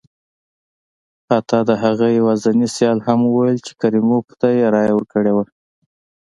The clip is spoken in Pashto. حتی د هغه یوازیني سیال هم وویل چې کریموف ته یې رایه ورکړې وه.